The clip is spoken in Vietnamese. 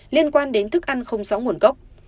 liên quan đến thức ăn không gió nguồn gốc